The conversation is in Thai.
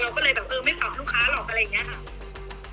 เราก็เลยไม่ปับลูกค้าหรออะไรอย่างนี้